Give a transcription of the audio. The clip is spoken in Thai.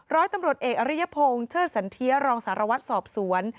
ร้อยตำรวจเอกอริยพงศ์เชิดสันเทียรองสารวัตรสอบสวน